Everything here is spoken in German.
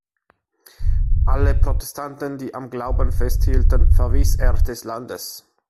Alle Protestanten, die am Glauben festhielten, verwies er des Landes.